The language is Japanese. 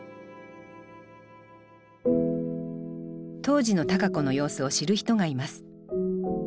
当時の多佳子の様子を知る人がいます。